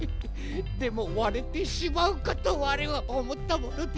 でもわれてしまうかとわれはおもったものですから。